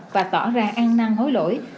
và tỏ ra an năng hối lỗi